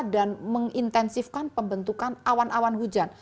dan mengintensifkan pembentukan awan awan hujan